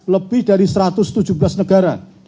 lebih dari satu ratus tujuh belas negara